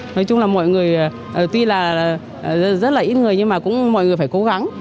nói chung là mọi người tuy là rất là ít người nhưng mà cũng mọi người phải cố gắng